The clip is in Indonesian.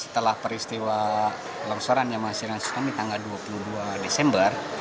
setelah peristiwa longsoran yang menghasilkan di tanggal dua puluh dua desember